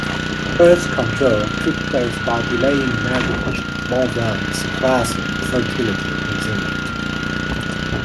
Birth control took place by delaying marriage more than suppressing fertility within it.